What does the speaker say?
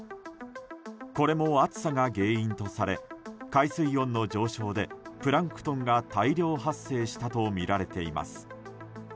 これも暑さが原因とされ海水温の上昇でプランクトンが大量発生したとみられています。